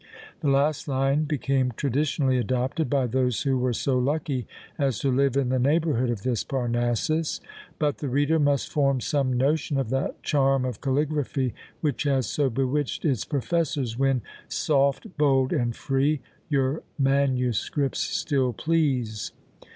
The last line became traditionally adopted by those who were so lucky as to live in the neighbourhood of this Parnassus. But the reader must form some notion of that charm of caligraphy which has so bewitched its professors, when, Soft, bold, and free, your manuscripts still please.